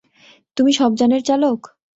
তুমি শবযানের চালক?